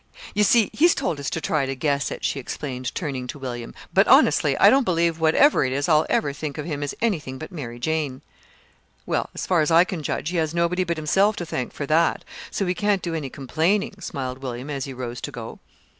You see, he's told us to try to guess it," she explained, turning to William; "but, honestly, I don't believe, whatever it is, I'll ever think of him as anything but 'Mary Jane.'" "Well, as far as I can judge, he has nobody but himself to thank for that, so he can't do any complaining," smiled William, as he rose to go.